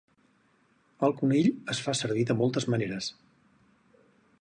El conill es fa servir de moltes maneres